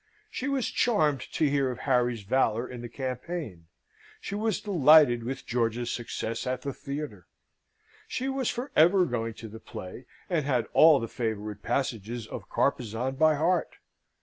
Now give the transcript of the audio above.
She was charmed to hear of Harry's valour in the campaign; she was delighted with George's success at the theatre; she was for ever going to the play, and had all the favourite passages of Carpezan by heart.